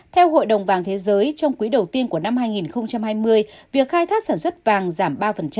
theo hội đồng vàng thế giới trong quý đầu tiên của năm hai nghìn hai mươi việc khai thác sản xuất vàng giảm ba